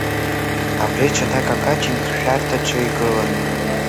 Абри Ҽада какаҷ инхшәарҭаҿы игылан…